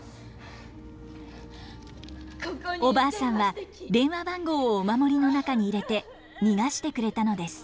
おばあさんは電話番号をお守りの中に入れて逃がしてくれたのです。